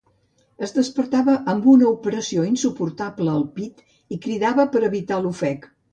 Es despertava amb una opressió insuportable al pit i cridava per evitar l'ofec.